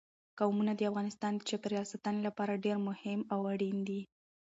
قومونه د افغانستان د چاپیریال ساتنې لپاره ډېر مهم او اړین دي.